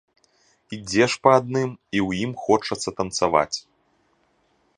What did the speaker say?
Ідзеш па адным, і ў ім хочацца танцаваць.